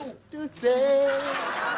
udah udah udah